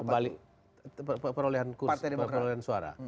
kembali perolehan kursus perolehan suara